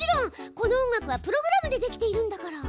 この音楽はプログラムでできているんだから。